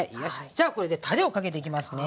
じゃあこれでたれをかけていきますね。